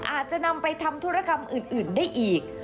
อาจจะนำไปทำธุรกรรมอื่นได้อีก